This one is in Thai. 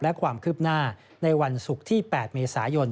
และความคืบหน้าในวันศุกร์ที่๘เมษายน